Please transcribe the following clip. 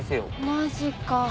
マジか。